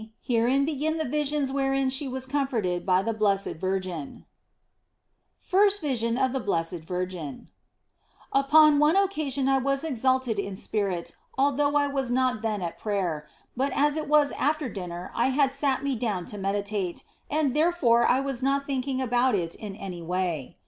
HERE BEGIN THE VISIONS WHEREIN SHE WAS COMFORTED BY THE BLESSED VIRGIN FIRST VISION OF THE BLESSED VIRGIN UPON one occasion I was exalted in spirit although I was not then at prayer, but as it was after dinner I had sat me down to meditate, and therefore I was not thinking about it in any way.